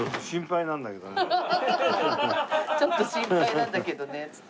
「ちょっと心配なんだけどね」っつって。